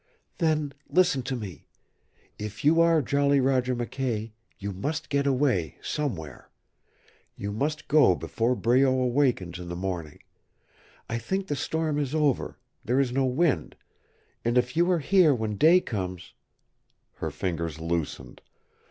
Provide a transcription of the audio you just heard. "Then listen to me. If you are Jolly Roger McKay you must get away somewhere. You must go before Breault awakens in the morning. I think the storm is over there is no wind and if you are here when day comes " Her fingers loosened.